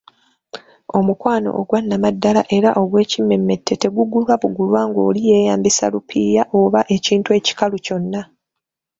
Omukwano ogwannamaddala era ogw’ekimmemmette tegugulwa bugulwa ng’oli yeeyambisa lupiiya oba ekintu ekikalu kyonna.